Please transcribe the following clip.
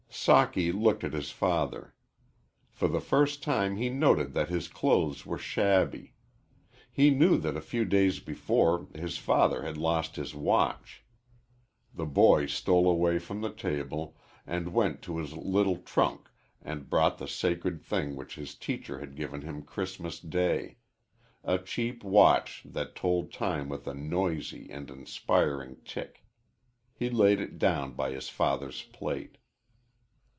Socky looked at his father. For the first time he noted that his clothes were shabby; he knew that a few days before his father had lost his watch. The boy stole away from the table, and went to his little trunk and brought the sacred thing which his teacher had given him Christmas Day a cheap watch that told time with a noisy and inspiring tick. He laid it down by his father's plate.